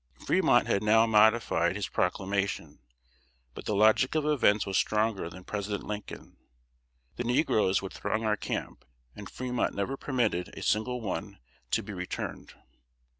Fremont had now modified his Proclamation; but the logic of events was stronger than President Lincoln. The negroes would throng our camp, and Fremont never permitted a single one to be returned.